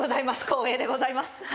光栄でございます。